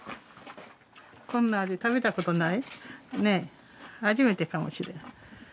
こんな味食べたことない？ねえ初めてかもしれん。